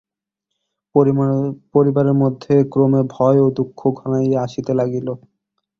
পরিবারের মধ্যে ক্রমে ভয় ও দুঃখ ঘনাইয়া আসিতে লাগিল।